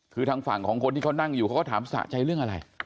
คือทางฝั่งของคนที่เขานั่งอยู่เขาก็ถามสะใจเรื่องอะไร